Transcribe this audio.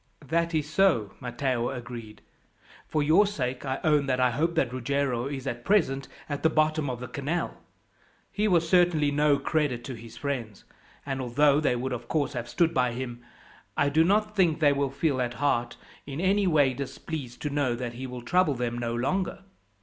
"That is so," Matteo agreed. "For your sake, I own that I hope that Ruggiero is at present at the bottom of the canal. He was certainly no credit to his friends; and although they would of course have stood by him, I do not think they will feel, at heart, in any way displeased to know that he will trouble them no longer.